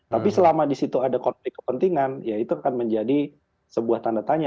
tapi selama di situ ada konflik kepentingan ya itu akan menjadi sebuah tanda tanya